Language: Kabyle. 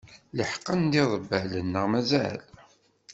Leḥqen-d yiḍebbalen, neɣ mazal?